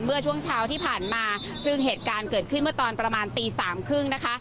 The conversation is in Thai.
เมื่อช่วงเช้าที่ผ่านมาซึ่งเหตุการณ์เกิดขึ้นเมื่อตอนประมาณตีสามครึ่งนะคะ